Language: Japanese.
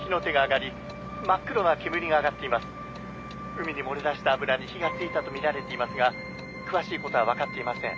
海に漏れ出した油に火がついたと見られていますが詳しいことは分かっていません」。